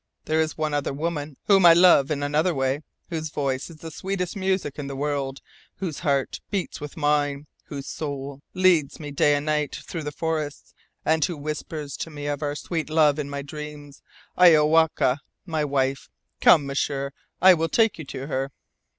There is one other whom I love in another way, whose voice is the sweetest music in the world, whose heart beats with mine, whose soul leads me day and night through the forests, and who whispers to me of our sweet love in my dreams Iowaka, my wife! Come, M'sieur; I will take you to her."